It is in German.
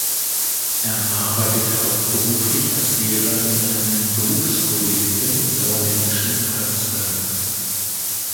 Er arbeitet hauptberuflich als Lehrer in einem Berufskolleg im sauerländischen Arnsberg.